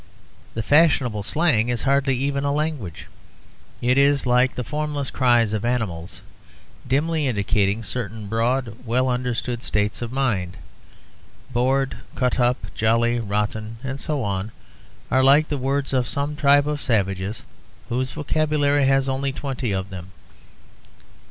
The fashionable slang is hardly even a language; it is like the formless cries of animals, dimly indicating certain broad, well understood states of mind. 'Bored,' 'cut up,' 'jolly,' 'rotten,' and so on, are like the words of some tribe of savages whose vocabulary has only twenty of them.